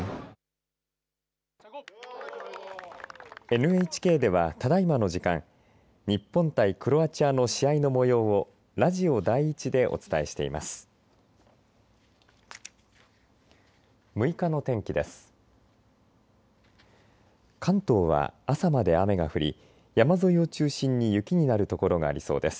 ＮＨＫでは、ただいまの時間日本対クロアチアの試合のもようをラジオ第１でお伝えしています。